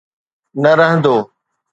نه رهندو.